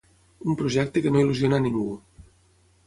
Un projecte que no il·lusiona a ningú.